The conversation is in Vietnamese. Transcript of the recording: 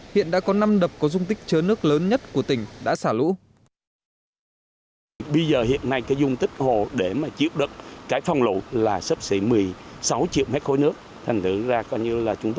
hiện đã có năm đập có dung tích chứa nước lớn nhất của tỉnh đã xả lũ